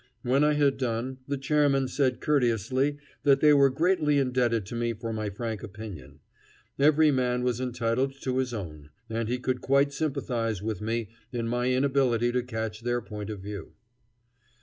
When I had done, the chairman said courteously that they were greatly indebted to me for my frank opinion. Every man was entitled to his own. And he could quite sympathize with me in my inability to catch their point of view.